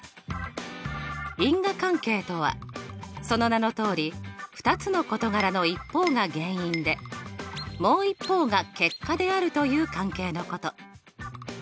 因果関係とはその名のとおり２つの事柄の一方が原因でもう一方が結果であるという関係のこと。